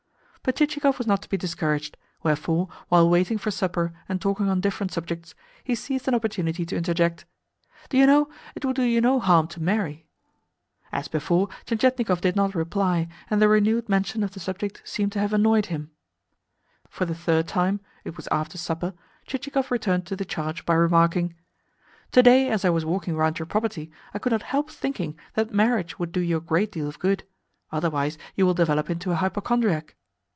But Chichikov was not to be discouraged; wherefore, while waiting for supper and talking on different subjects, he seized an opportunity to interject: "Do you know, it would do you no harm to marry." As before, Tientietnikov did not reply, and the renewed mention of the subject seemed to have annoyed him. For the third time it was after supper Chichikov returned to the charge by remarking: "To day, as I was walking round your property, I could not help thinking that marriage would do you a great deal of good. Otherwise you will develop into a hypochondriac."